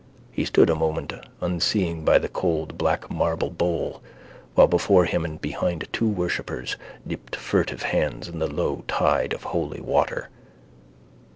He stood a moment unseeing by the cold black marble bowl while before him and behind two worshippers dipped furtive hands in the low tide of holy water.